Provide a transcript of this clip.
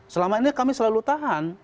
selama ini kami selalu tahan